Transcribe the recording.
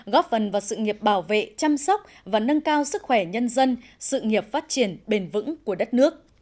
góp phần vào sự nghiệp bảo vệ chăm sóc và nâng cao sức khỏe nhân dân sự nghiệp phát triển bền vững của đất nước